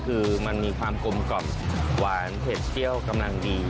คือมันมีความกลมกล่อมหวานเผ็ดเปรี้ยวกำลังดี